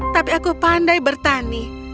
tapi aku pandai bertani